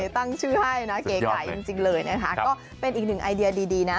ตั้งชื่อให้นะเก๋ไก่จริงเลยนะคะก็เป็นอีกหนึ่งไอเดียดีนะ